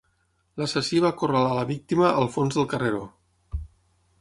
L'assassí va acorralar la víctima al fons del carreró.